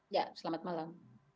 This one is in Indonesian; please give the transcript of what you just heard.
ya selamat malam